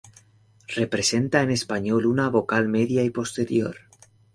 Representa en español una vocal media y posterior.